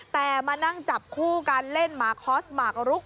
แต่มานั่งจับคู่การเล่นหมาคอสหมากรุก